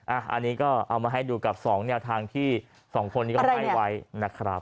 อันนี้ก็เอามาให้ดูกับ๒แนวทางที่สองคนนี้ก็ให้ไว้นะครับ